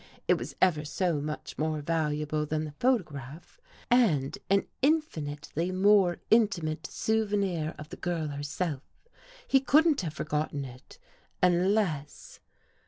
It was ever so much more valuable than the photograph, and an infin itely more intimate souvenir of the girl herself. He couldn't have forgotten it, unless